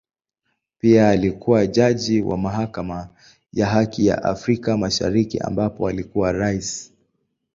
Pia alikua jaji wa Mahakama ya Haki ya Afrika Mashariki ambapo alikuwa Rais.